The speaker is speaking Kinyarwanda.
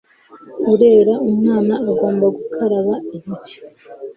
urera umwana agomba gukaraba intoki